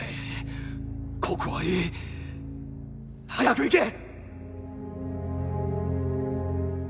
ここはいい早く行け！